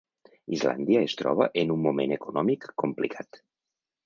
Islàndia es troba en un moment econòmic complicat.